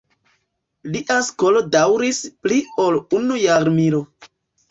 Lia skolo daŭris pli ol unu jarmilo.